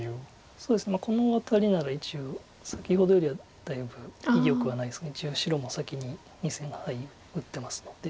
このワタリなら一応先ほどよりはだいぶ威力はないですが一応白も先に２線ハイ打ってますので。